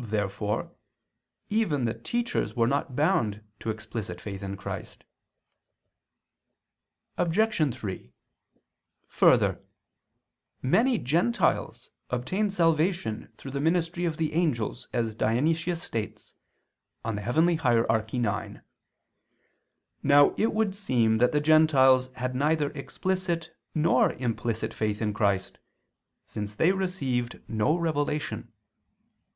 Therefore even the teachers were not bound to explicit faith in Christ. Obj. 3: Further, many gentiles obtained salvation through the ministry of the angels, as Dionysius states (Coel. Hier. ix). Now it would seem that the gentiles had neither explicit nor implicit faith in Christ, since they received no revelation.